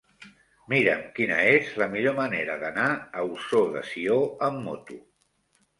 Mira'm quina és la millor manera d'anar a Ossó de Sió amb moto.